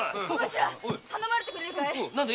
頼まれてくれるかい？